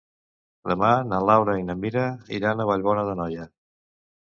Demà na Laura i na Mira iran a Vallbona d'Anoia.